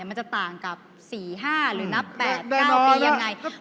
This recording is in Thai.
มันจะต่างกับ๔๕หรือนับ๘๙ปียังไง